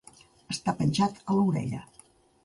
Estar penjat a l'orella.